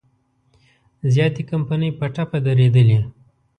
زیاتې کمپنۍ په ټپه درېدلي.